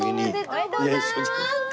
おめでとうございます。